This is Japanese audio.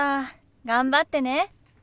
頑張ってね。